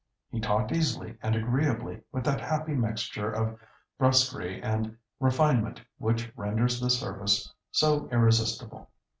He talked easily and agreeably, with that happy mixture of brusquerie and refinement which renders the service so irresistible.